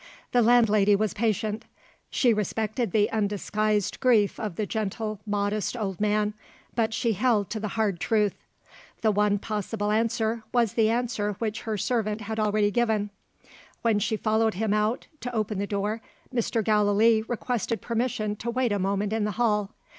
The landlady was patient: she respected the undisguised grief of the gentle modest old man; but she held to the hard truth. The one possible answer was the answer which her servant had already given. When she followed him out, to open the door, Mr. Gallilee requested permission to wait a moment in the hall.